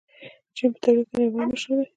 چین په تولید کې نړیوال مشر دی.